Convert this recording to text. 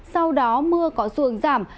sau đó mưa có xuồng giảm